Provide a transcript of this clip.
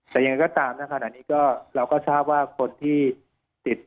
แต่ยังไงก็ตามนะขณะนี้ก็เราก็ทราบว่าคนที่ติด